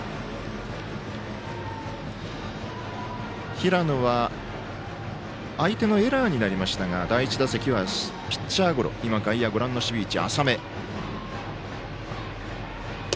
平野は相手のエラーになりましたが第１打席はピッチャーゴロ外野は浅めの守備位置。